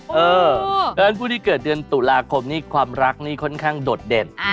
เพราะฉะนั้นผู้ที่เกิดเดือนตุลาคมนี้ความรักนี่ค่อนข้างโดดเด่น